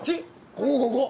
ここここ。